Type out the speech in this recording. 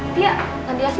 ada yang neluar